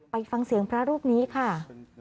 ไปฟังเสียงพระรูปนี้ค่ะ